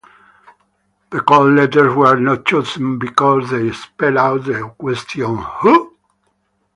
The call letters were not chosen because they spell out the question Who?